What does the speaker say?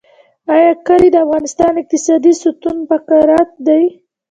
آیا کلي د افغانستان اقتصادي ستون فقرات دي؟